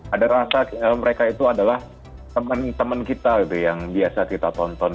ada rasa mereka itu adalah teman teman kita gitu yang biasa kita tonton